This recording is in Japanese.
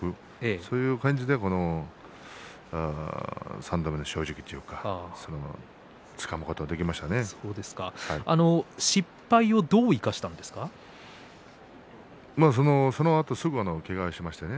そういう感じで三度目の正直というか失敗をそのあと、すぐにけがをしましてね。